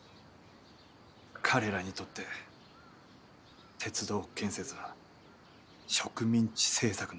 彼らにとって鉄道建設は植民地政策の一環。